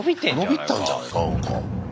伸びたんじゃないかなんか。